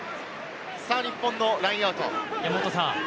日本のラインアウト。